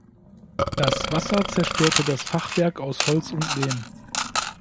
Das Wasser zerstörte das Fachwerk aus Holz und Lehm.